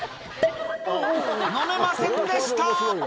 飲めませんでした。